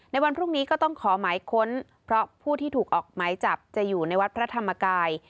ในวันพรุ่งนี้ก็ต้องขอหมายค้นเพราะผู้ที่ถูกออกหมายจับจะอยู่ในวัดพระธรรมกาย